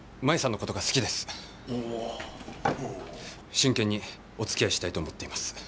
真剣におつきあいしたいと思っています。